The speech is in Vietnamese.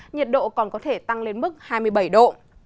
nhiệt độ còn có thể tăng lên mức hai mươi bảy độ